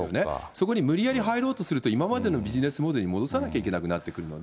そこに無理やり入ろうとすると、今までのビジネスモデルに戻さなければならなくなってくるので。